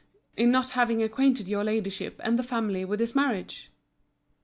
in not having acquainted your Ladyship and the family with his marriage?